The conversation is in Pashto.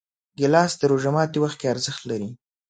ګیلاس د روژه ماتي وخت کې ارزښت لري.